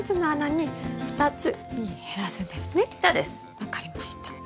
分かりました。